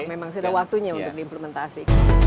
memang sudah waktunya untuk diimplementasi